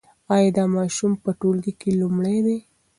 ایا دا ماشوم په ټولګي کې لومړی دی؟